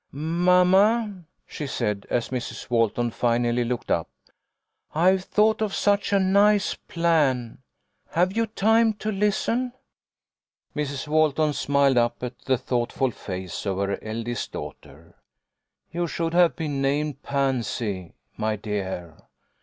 "Mamma," she said, as Mrs. Walton finally looked up, " I've thought of such a nice plan. Have you time to listen ?" Mrs. Walton smiled up at the thoughtful face of her eldest daughter. " You should have been named Pansy, my dear.